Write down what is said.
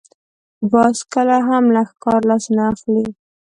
باز کله هم له ښکار لاس نه اخلي